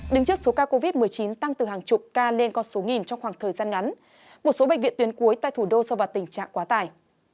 đứng trước số ca covid một mươi chín tăng từ hàng chục ca lên con số nghìn trong khoảng thời gian ngắn một số bệnh viện tuyến cuối tại thủ đô so vào tình trạng quá tải